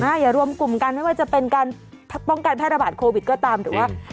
อย่ารวมกลุ่มกันไม่ว่าจะเป็นการป้องกันแพร่ระบาดโควิดก็ตามหรือว่า